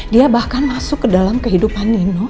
dia bahkan masuk ke dalam kehidupan nino